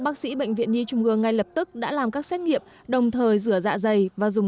bác sĩ bệnh viện nhi trung ương ngay lập tức đã làm các xét nghiệm đồng thời rửa dạ dày và dùng